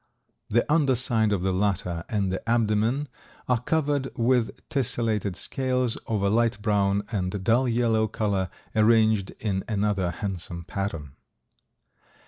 The under side of the latter and the abdomen are covered with tessellated scales of a light brown and dull yellow color arranged in another handsome pattern.